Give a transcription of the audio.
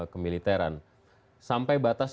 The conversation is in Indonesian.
kemiliteran sampai batas